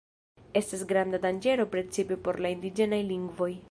Estas granda danĝero precipe por la indiĝenaj lingvoj.